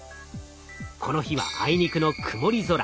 この日はあいにくの曇り空。